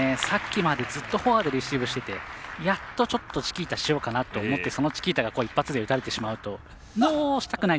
さっきまでずっとフォアでレシーブしててやっと、ちょっとチキータしようかなと思ってそのチキータが一発で打たれてしまうと。